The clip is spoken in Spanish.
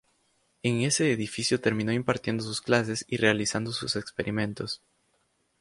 En ese edificio terminó impartiendo sus clases y realizando sus experimentos.